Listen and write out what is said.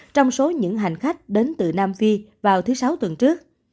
trong số những hành khách đến từ nam phi vào thứ sáu tuần trước